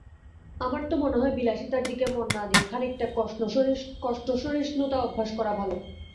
আমার তো মনে হয় বিলাসিতার দিকে মন না দিয়ে খানিকটা কষ্টসহিষ্ণুতা অভ্যাস করা ভালো।